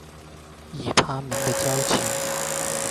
以他们的交情